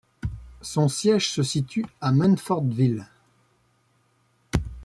Son siège se situe à Munfordville.